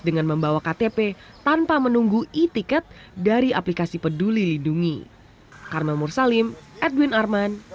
dengan membawa ktp tanpa menunggu e ticket dari aplikasi peduli lindungi karena mursalim edwin arman